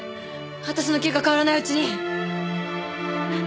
私の気が変わらないうちに。